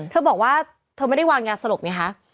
เธอบอกว่าเธอไม่ได้วางยาสลบไงคะ